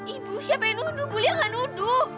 ibu siapa yang nuduh bu liat gak nuduh